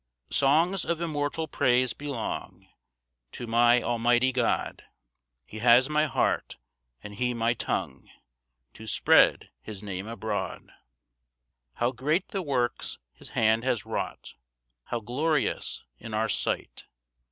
1 Songs of immortal praise belong To my almighty God; He has my heart, and he my tongue To spread his Name abroad. 2 How great the works his hand has wrought! How glorious in our sight!